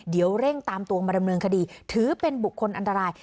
เดี๋ยวเร่งตามตัวมาดำเนินคดีถือเป็นบุคคลอันตราย